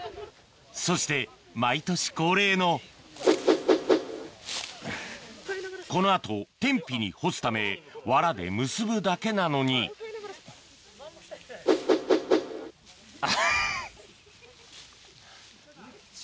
そして毎年恒例のこの後天日に干すためわらで結ぶだけなのにえっ？